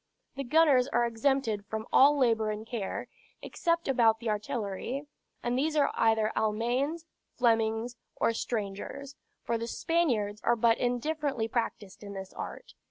The gunners are exempted from all labor and care, except about the artillery; and these are either Almaines, Flemings, or strangers; for the Spaniards are but indifferently practiced in this art.